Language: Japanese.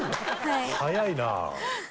早いな。